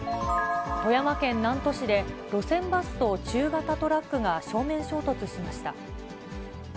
富山県南砺市で、路線バスと中型トラックが正面衝突しました。